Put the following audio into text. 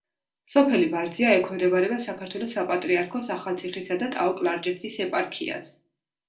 სოფელი ვარძია ექვემდებარება საქართველოს საპატრიარქოს ახალციხისა და ტაო-კლარჯეთის ეპარქიას.